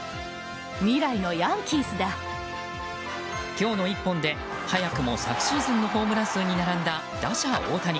今日の１本で、早くも昨シーズンのホームラン数に並んだ打者・大谷。